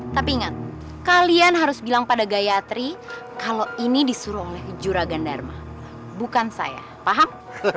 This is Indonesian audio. tapi ingat kalian harus bilang pada gayatri kalau ini disuruh oleh juragan dharma bukan saya paham